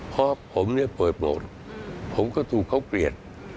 เพราะผมเปิดโหมดผมก็ถูกเข้าเกลียด